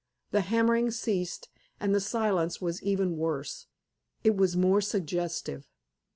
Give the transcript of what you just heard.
The hammering ceased, and the silence was even worse. It was more suggestive.